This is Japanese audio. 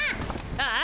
ああ！